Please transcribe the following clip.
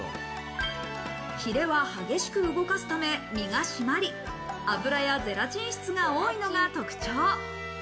ヒレは激しく動かすため身が締まり、脂やゼラチン質が多いのが特徴。